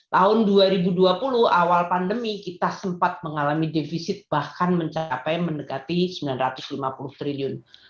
tahun dua ribu dua puluh awal pandemi kita sempat mengalami defisit bahkan mencapai mendekati rp sembilan ratus lima puluh triliun